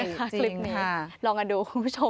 คลิปนี้ลองกันดูคุณผู้ชม